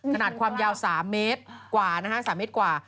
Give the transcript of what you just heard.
ขนาดความยาว๓เมตรกว่า